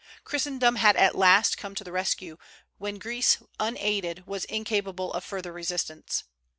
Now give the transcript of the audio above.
Christendom at last had come to the rescue, when Greece unaided was incapable of further resistance.